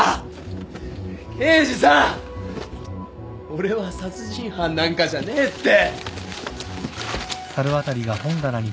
俺は殺人犯なんかじゃねえって。